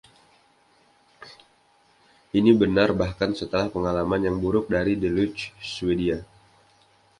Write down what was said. Ini benar bahkan setelah pengalaman yang buruk dari “Deluge” Swedia.